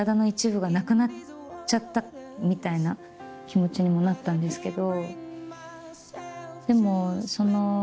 みたいな気持ちにもなったんですけど。